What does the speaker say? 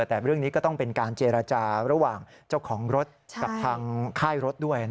แต่เรื่องนี้ก็ต้องเป็นการเจรจาระหว่างเจ้าของรถกับทางค่ายรถด้วย